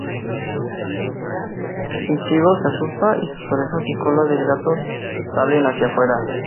Ichigo se asusta y sus orejas y cola del gato salen hacia fuera.